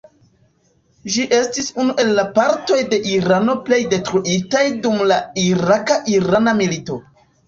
Ĝi estis unu el la partoj de Irano plej detruitaj dum la iraka-irana milito.